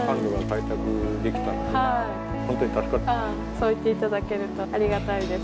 そう言っていただけるとありがたいです。